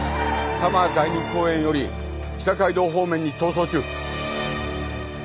多摩第二公園より北街道方面に逃走中。